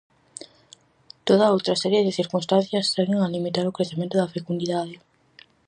Toda outra serie de circunstancias seguen a limitar o crecemento da fecundidade.